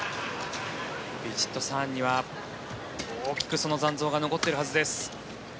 ヴィチットサーンには大きくその残像が残っているはずです。